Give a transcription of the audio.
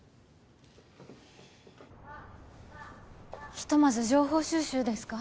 ひとまず情報収集ですか？